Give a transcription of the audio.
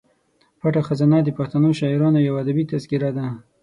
پټه خزانه د پښتنو شاعرانو یوه ادبي تذکره ده.